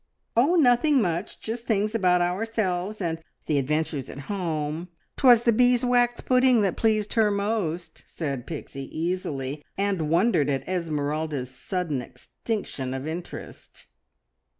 "Oh, nothing much. Just things about ourselves, and the adventures at home. 'Twas the beeswax pudding that pleased her most," said Pixie easily, and wondered at Esmeralda's sudden extinction of interest.